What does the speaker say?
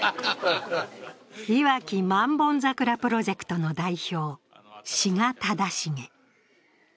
いわき万本桜プロジェクトの代表、志賀忠重。